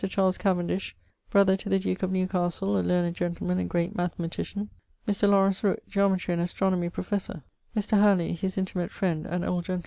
Charles Cavendish_, brother to the duke of Newcastle, a learned gentleman and great mathematician. Mr. Laurence Rooke, Geometry and Astronomy professor. Mr. ... Hallely, his intimate friend, an old gent.